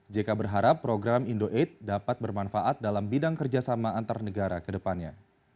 jk berharap program indo delapan dapat bermanfaat dalam bidang kerjasama antar negara ke depannya